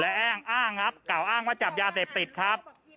และอ้างอ้างครับกล่าวอ้างว่าจับยาเสพติดครับ